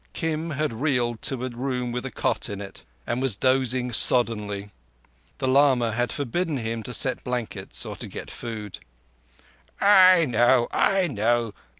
Kim had reeled to a room with a cot in it, and was dozing soddenly. The lama had forbidden him to set blankets or get food. "I know—I know.